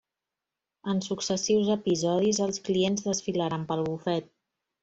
En successius episodis els clients desfilaran pel bufet.